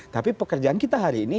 tapi pekerjaan kita hari ini